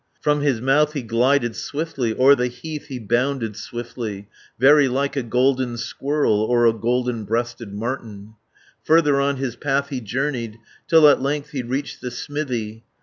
From his mouth he glided swiftly, O'er the heath he bounded swiftly, Very like a golden squirrel, Or a golden breasted marten. Further on his path he journeyed, Till at length he reached the smithy.